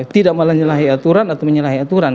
tidak melalui aturan atau menyelahi aturan